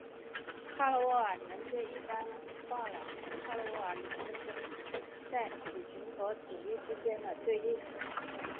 伽罗瓦连接一般化了伽罗瓦理论中在子群和子域之间的对应。